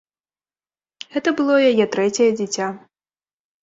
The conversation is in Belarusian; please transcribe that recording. Гэта было яе трэцяе дзіця.